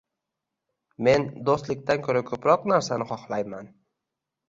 - Men do'stlikdan ko'ra ko'proq narsani xohlayman!